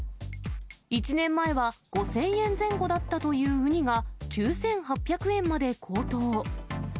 １年前は５０００円前後だったというウニが、９８００円まで高騰。